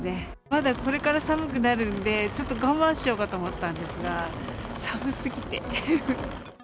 まだこれから寒くなるんで、ちょっと我慢しようかと思ったんですが、寒すぎて。